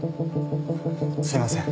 すいません。